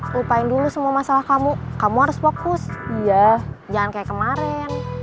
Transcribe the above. deden berkata bahwa dia sudah berjalan ke rumah